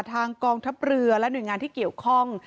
กองทัพเรือและหน่วยงานที่เกี่ยวข้อง